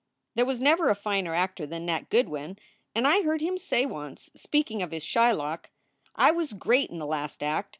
There was never a finer actor than Nat Goodwin, and I heard him say once, speaking of his Shylock: I was great in the last act.